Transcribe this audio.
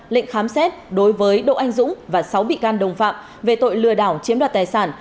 lệnh khám xét đối với đỗ anh dũng và sáu bị can đồng phạm về tội lừa đảo chiếm đoạt tài sản